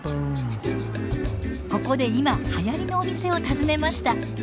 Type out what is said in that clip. ここで今はやりのお店を訪ねました。